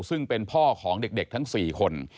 ซึ่งเป็นพ่อของเด็กทั้ง๔คน